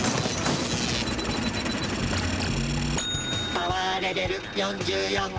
「パワーレベル４４」。